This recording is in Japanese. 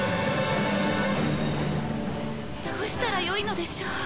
どうしたらよいのでしょう。